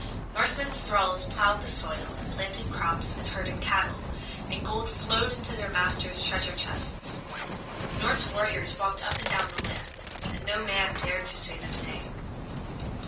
Norsemen's thralls plowed the soil and planted crops and herded cattle, and gold flowed into their masters' treasure chests. Norse warriors walked up and down the land, and no man dared to say them nay.